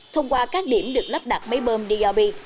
thông qua các điểm được lắp đặt máy bơm drb